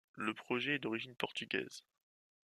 Le projet est d'origine portugaise.